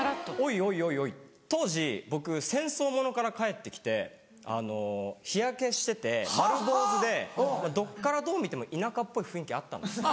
おいおい当時僕戦争物から帰って来て日焼けしてて丸坊ずでどっからどう見ても田舎っぽい雰囲気あったんですよ。